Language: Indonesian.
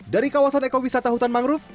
dari kawasan ekowisata hutan mangrove